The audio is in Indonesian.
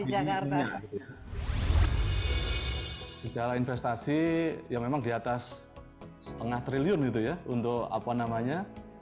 jakarta jalan investasi yang memang di atas setengah triliun gitu ya untuk apa namanya